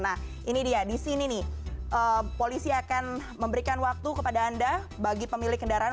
nah ini dia di sini nih polisi akan memberikan waktu kepada anda bagi pemilik kendaraan